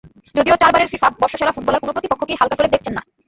যদিও চারবারের ফিফা বর্ষসেরা ফুটবলার কোনো প্রতিপক্ষকেই হালকা করে দেখছেন না।